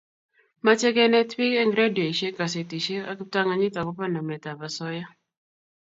Mache kenet piik eng' redioishek ,gazetishek ak kiptang'anyit akoba namet ab asoya